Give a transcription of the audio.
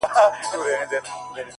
په هغه ورځ به بس زما اختر وي؛